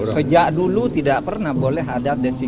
sejak dulu tidak pernah boleh ada desi